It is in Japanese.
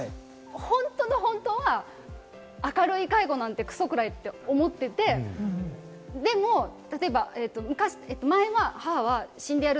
本当の本当は、明るい介護なんてクソくらいと思っていて、でも例えば、前は母は死んでやる！